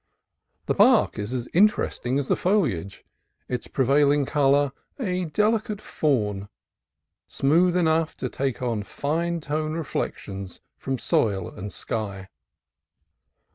The THE EUCALYPTUS 19 bark is as interesting as the foliage, its prevailing color a delicate fawn, smooth enough to take on fine tone reflections from soil and sky.